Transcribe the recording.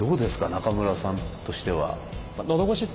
中村さんとしては。